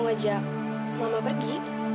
aku mau pergi